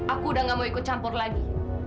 aku udah gak mau ikut campur lagi